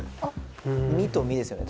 「み」と「み」ですよね